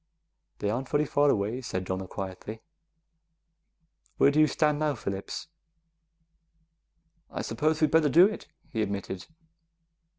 "They aren't very far away," said Donna quietly. "Where do you stand now, Phillips?" "I suppose we'd better do it," he admitted.